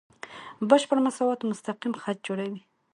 بشپړ مساوات مستقیم خط جوړوي.